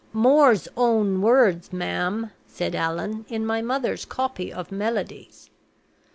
"Moore's own words, ma'am," said Allan, "in my mother's copy of the Melodies."